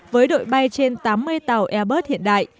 với đội bay trên tám mươi tàu airbus hiện đại